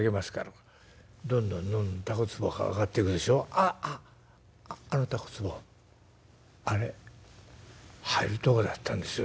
ああのタコつぼあれ入るとこだったんですよ